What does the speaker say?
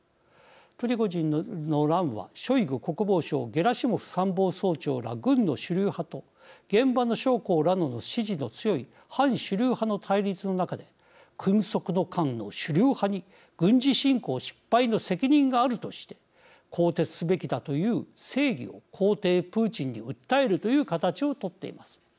プリゴジンの乱はショイグ国防相ゲラシモフ参謀総長ら軍の主流派と現場の将校らの支持の強い反主流派の対立の中で君側の奸の主流派に軍事侵攻失敗の責任があるとして更迭すべきだという正義を皇帝プーチンに訴えるという形を取っています。